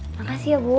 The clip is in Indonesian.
makasih ya bu